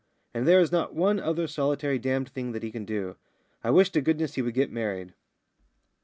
And there is not one other solitary damned thing that he can do. I wish to goodness he would get married."